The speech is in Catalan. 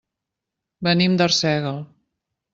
Venim d'Arsèguel.